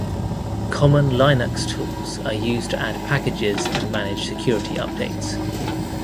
Common Linux tools are used to add packages and manage security updates.